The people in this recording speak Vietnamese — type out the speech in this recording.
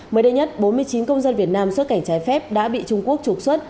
mới đây nhất bốn mươi chín công dân việt nam xuất cảnh trái phép đã bị trung quốc trục xuất